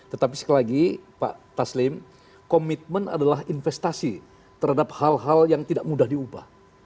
tetapi sekali lagi pak taslim komitmen adalah investasi terhadap hal hal yang tidak mudah diubah